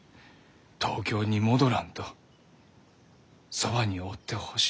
東京に戻らんとそばにおってほしいと。